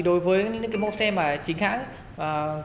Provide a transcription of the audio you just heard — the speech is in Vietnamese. đối với những mẫu xe mà chính hãi